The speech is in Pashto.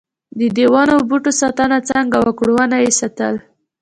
ددې ونو او بوټو ساتنه څنګه وکړو ونه یې ساتل.